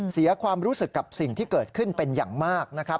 เสียความรู้สึกกับสิ่งที่เกิดขึ้นเป็นอย่างมากนะครับ